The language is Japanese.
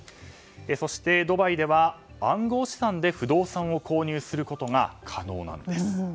そして、ドバイでは暗号資産で不動産を購入することが可能なんです。